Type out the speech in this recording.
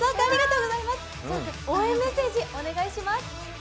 応援メッセージ、お願いします。